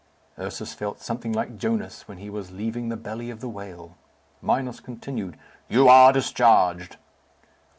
Ursus felt something like Jonas when he was leaving the belly of the whale. Minos continued, "You are discharged."